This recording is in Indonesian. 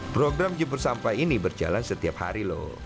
program jempur sampah ini berjalan setiap hari loh